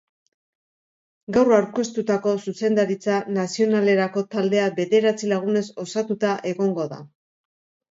Gaur aurkeztutako zuzendaritza nazionalerako taldea bederatzi lagunez osatuta egongo da.